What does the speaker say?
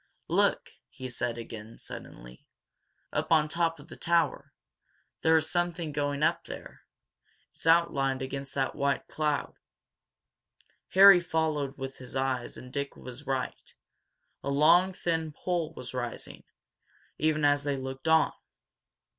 "Look!" he said, again, suddenly. "Up on top of the tower! There is something going up there it's outlined against that white cloud!" Harry followed with his eyes and Dick was right. A long, thin pole was rising, even as they looked on.